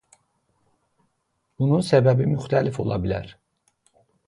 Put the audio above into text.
Bunun səbəbi müxtəlif ola bilər.